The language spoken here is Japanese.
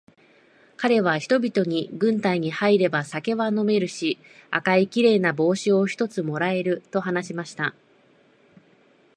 かれは人々に、軍隊に入れば酒は飲めるし、赤いきれいな帽子を一つ貰える、と話しました。